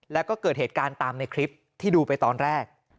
แล้วก็เกิดเหตุการณ์ตามในคลิปที่ดูไปตอนแรก